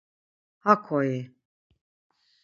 Hakoi?